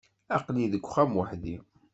Aql-i deg uxxam weḥdi.